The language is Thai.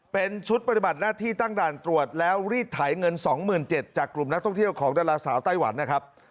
เป็นชุดปฏิบัติหน้าที่ตั้งด่านตรวจแล้วรีดไถเงิน๒๗๐๐จากกลุ่มนักท่องเที่ยวของดาราสาวไต้หวันนะครับ